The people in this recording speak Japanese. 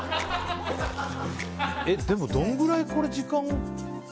でもどのくらい時間。